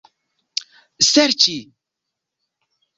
ŝerci